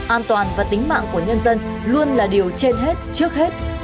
an toàn và tính mạng của nhân dân luôn là điều trên hết trước hết